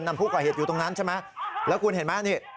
นำผู้ก่อเหตุอยู่ตรงนั้นใช่ไหมแล้วคุณเห็นไหมนี่